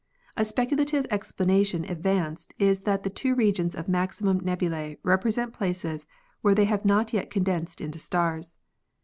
A speculative explanation advanced is that the two regions of maximum nebulae represent places where they have not yet condensed into stars.